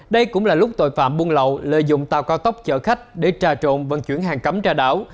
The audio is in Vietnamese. đây cũng là lúc tội phạm buôn lậu lợi dụng tàu cao tốc chợ khách để trà trộn vận chuyển hàng cấm ra đảo